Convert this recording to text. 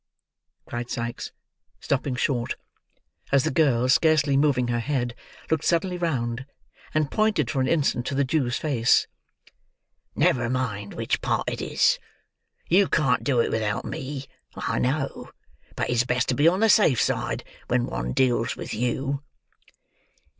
cried Sikes, stopping short, as the girl, scarcely moving her head, looked suddenly round, and pointed for an instant to the Jew's face. "Never mind which part it is. You can't do it without me, I know; but it's best to be on the safe side when one deals with you."